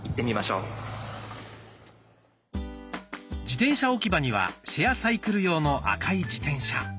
自転車置き場にはシェアサイクル用の赤い自転車。